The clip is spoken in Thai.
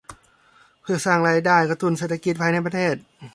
เพื่อสร้างรายได้กระตุ้นเศรษฐกิจภายในประเทศ